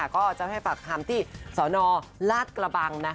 ก็จะให้ปากคำที่สนลาดกระบัง